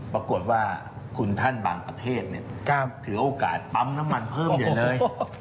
ปรากฏว่าคุณท่านบางประเทศถือโอกาสปั๊มน้ำมันเพิ่มใหญ่เลย